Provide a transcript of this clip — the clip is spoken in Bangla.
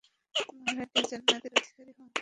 মহিলাটি জান্নাতের অধিকারী হন।